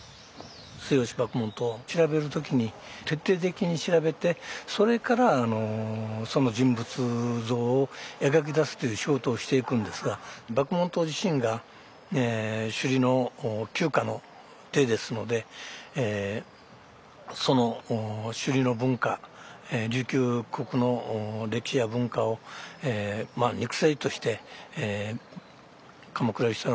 末吉麦門冬は調べる時に徹底的に調べてそれからその人物像を描き出すという仕事をしていくんですが麦門冬自身が首里の旧家の出ですのでその首里の文化琉球国の歴史や文化を肉声として鎌倉芳太郎に教えていく。